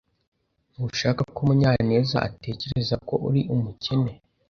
Ntushaka ko Munyanezatekereza ko uri umukene.